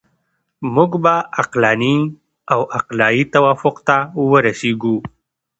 موږ به عقلاني او عقلایي توافق ته ورسیږو.